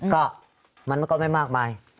ก็มันก็ไม่มากมาย